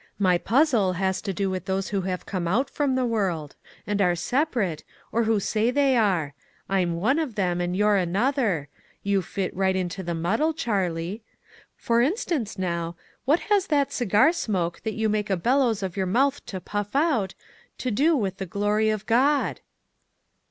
Aty puzzle has to do with those who have come out from the world and are sep arate, or who say they are ; I'm one of them and you're another; you fit right into 34 ONE COMMONPLACE DAY. the muddle, Charlie. For instance, now, what has that cigar smoke that you make a bellows of your mouth to puff out, to do with the glory of God?"